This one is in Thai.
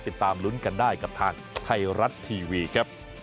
ติดตามลุ้นกันได้กับทางไทยรัฐทีวีครับ